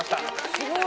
すごい。